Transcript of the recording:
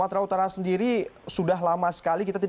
pertanyaan terakhir di muara kinjil